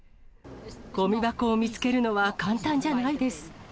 ごみ箱を見つけるのは簡単じゃないです。